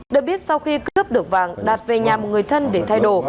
được biết sau khi cướp được vàng đạt về nhà một người thân để thay đồ